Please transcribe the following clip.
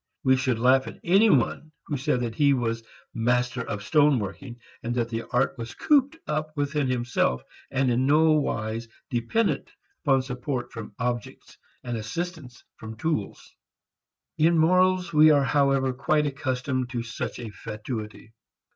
We should laugh at any one who said that he was master of stone working, but that the art was cooped up within himself and in no wise dependent upon support from objects and assistance from tools. In morals we are however quite accustomed to such a fatuity.